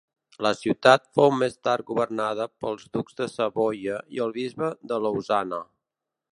La ciutat fou més tard governada pels ducs de Savoia i el Bisbe de Lausana.